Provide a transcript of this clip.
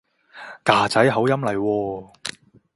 㗎仔口音嚟喎